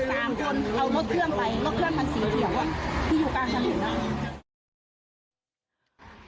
ตามจนเอารถเครื่องไปรถเครื่องมันสีเขียวที่อยู่กลางถนนอ่ะ